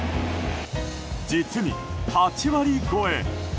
実に８割超え。